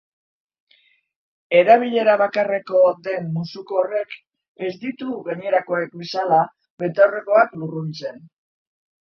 Erabilera bakarrekoa den musuko horrek ez ditu, gainerakoek bezala, betaurrekoak lurruntzen.